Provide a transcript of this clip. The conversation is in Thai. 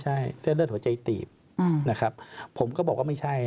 ใช่เส้นเลือดหัวใจตีบนะครับผมก็บอกว่าไม่ใช่